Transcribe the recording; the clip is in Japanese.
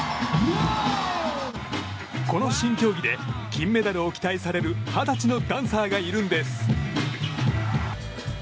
この新競技で金メダルを期待される二十歳のダンサーがいるんです。